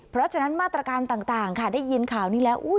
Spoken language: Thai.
เพราะฉะนั้นมาตรการต่างค่ะได้ยินข่าวนี้แล้ว